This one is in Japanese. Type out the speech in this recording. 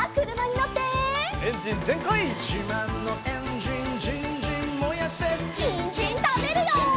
にんじんたべるよ！